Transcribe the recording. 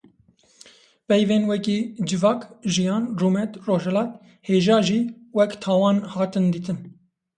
Peyvên wekî civak, jiyan, rûmet, rojhilat, hêja jî wek tawan hatin dîtin.